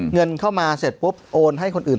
เงินเข้ามาเสร็จปุ๊บโอนให้คนอื่น